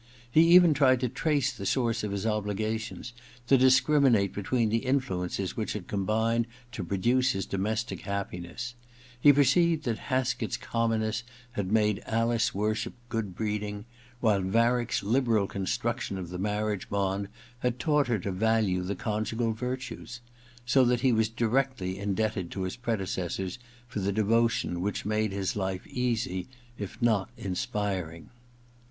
He even tried to trace the source of his obligations, to discrimi V THE OTHER TWO 71 nate between the influences which had combined to produce his domestic happiness : he perceived that Haskett's commonness had made Alice worship good breeding, while Varick's liberal construction of the marriage bond had taught her to value the conjugal virtues ; so that he was directly indebted to his predecessors for the devotion which made his life easy if not inspiring.